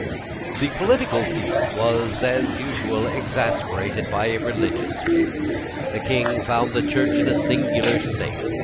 The political feud was, as usual, exasperated by a religious feud. The King found the Church in a singular state.